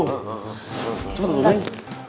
coba tunggu neng